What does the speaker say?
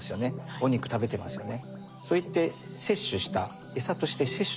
お肉食べてますよね。